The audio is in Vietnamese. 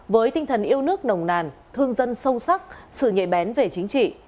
với tinh thần yêu nước nồng nàn thương dân sâu sắc sự nhạy bén về chính trị